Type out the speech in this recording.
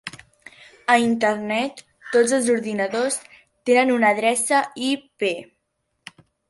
A Internet, tots els ordinadors tenen una adreça IP.